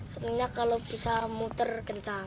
senangnya kalau bisa muter kencang